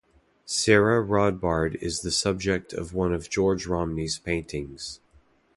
Sarah Rodbard is the subject of one of George Romney's paintings.